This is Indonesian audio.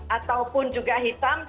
ataupun juga hitam